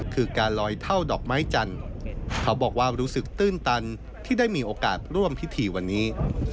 คือการลอยเท่าดอกไม้จันทร์เขาบอกว่ารู้สึกตื้นตันที่ได้มีโอกาสร่วมพิธีวันนี้